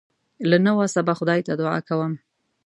له نه وسه به خدای ته دعا کوم.